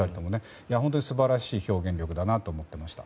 本当に素晴らしい表現力だなと思いました。